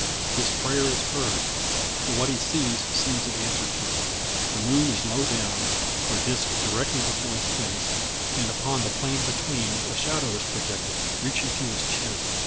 His prayer is heard; for what he sees seems an answer to it. The moon is low down, her disc directly before his face, and upon the plain between a shadow is projected, reaching to his chin.